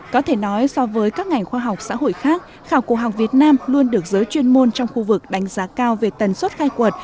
có thể nói so với các ngành khoa học xã hội khác khảo cổ học việt nam luôn được giới chuyên môn trong khu vực đánh giá cao về tần suất khai quật